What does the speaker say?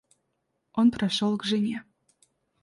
Он прошел к жене.